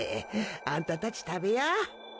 あんたたち、食べや。